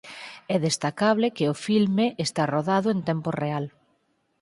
É destacable que o filme está rodado en tempo real.